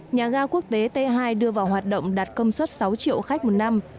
nhà ga quốc tế t hai đưa vào hoạt động đạt công suất sáu triệu khách một năm